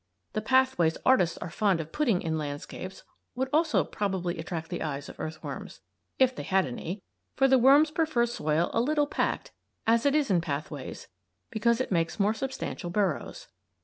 The pathways artists are fond of putting in landscapes would also probably attract the eyes of earthworms if they had any, for the worms prefer soil a little packed, as it is in pathways, because it makes more substantial burrows.